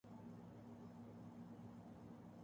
پاکستان اور چین عظیم اقتصادی تعاون کی جانب بڑھ رہے ہیں